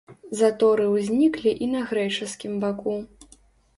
Заторы ўзніклі і на грэчаскім баку.